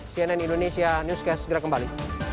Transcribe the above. cnn indonesia newscast segera kembali